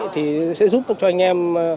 thì sẽ giúp cho anh em